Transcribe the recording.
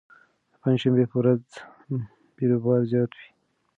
د پنجشنبې په ورځ بېروبار زیات وي.